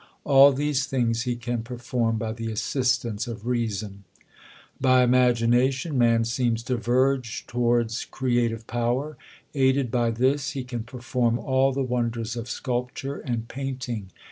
All these things he can perform fey ^ the assistance of reason. By imagination, man seems to verge towards crea tive power. Aided by this, he can perform all the wonders of sculpture and painting.